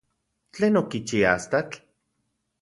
¿Tlen okichi astatl?